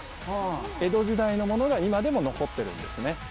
江戸時代のものが今でも残ってるんですね。